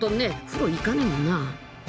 風呂行かねえもんな］